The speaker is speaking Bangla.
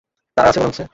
তাড়া আছে মনে হচ্ছে?